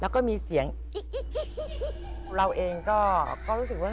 แล้วก็มีเสียงกิ๊กเราเองก็รู้สึกว่า